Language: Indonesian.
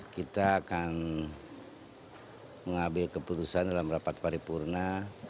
kita akan mengambil keputusan dalam rapat paripurna